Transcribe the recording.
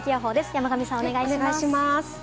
山神さん、お願いします。